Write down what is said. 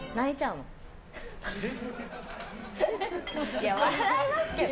いや、笑いますけど。